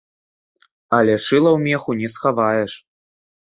Але шыла ў меху не схаваеш.